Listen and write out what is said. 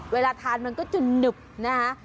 เวลาทานมันก็จะหนึบนะฮะ